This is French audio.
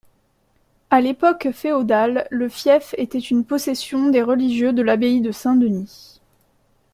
À l'époque féodale, le fief était une possession des religieux de l'abbaye de Saint-Denis.